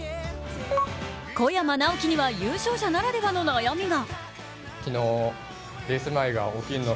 小山直城には優勝者ならではの悩みが。